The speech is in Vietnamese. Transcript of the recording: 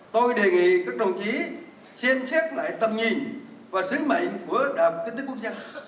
tôi đề nghị các đồng chí xem xét lại tầm nhìn và sứ mạnh của đạp kinh tế quốc gia